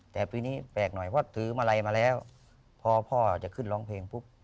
แต่ปีนี้แปลกหน่อยเพราะถือมาลัยมาแล้วพอพ่อจะขึ้นร้องเพลงปุ๊บ